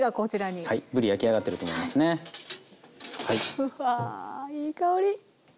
うわいい香り。